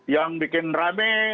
yang bikin rame